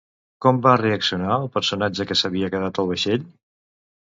Com va reaccionar el personatge que s'havia quedat al vaixell?